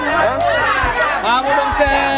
mak mau dong c